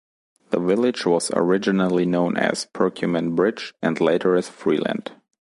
The village was originally known as Perkiomen Bridge and later as Freeland.